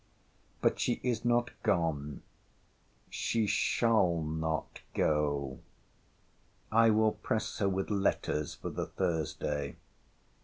But she is not gone. She shall not go. I will press her with letters for the Thursday.